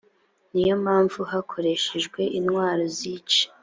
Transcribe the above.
ni yo mpamvu hakoreshejwe intwaro zica